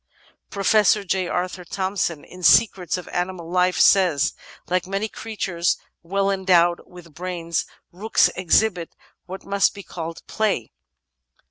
Professor J. Arthur Thomson, in Secrets of Animal Life, says : ''Like many creatures well endowed with brains, rooks ex hibit what must be called play.